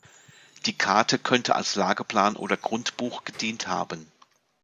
Die Karte könnte als Lageplan oder Grundbuch gedient haben.